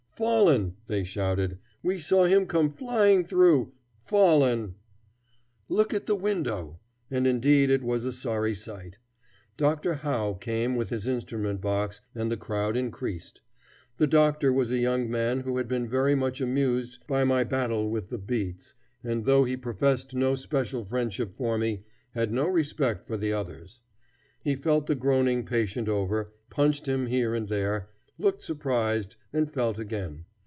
"Fallen!" they shouted. "We saw him come flying through. Fallen! Look at the window!" And indeed it was a sorry sight. Dr. Howe came with his instrument box, and the crowd increased. The doctor was a young man who had been very much amused by my battle with the beats, and, though he professed no special friendship for me, had no respect for the others. He felt the groaning patient over, punched him here and there, looked surprised, and felt again.